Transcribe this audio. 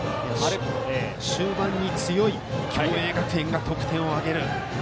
終盤に強い共栄学園が得点を挙げる。